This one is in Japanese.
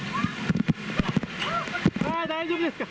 大丈夫ですか。